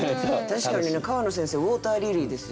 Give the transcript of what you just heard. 確かにね川野先生「ウォーターリリー」ですよね？